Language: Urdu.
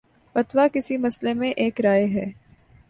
فتوی کس مسئلے میں ایک رائے ہے۔